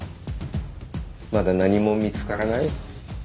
まだ何も見つからない？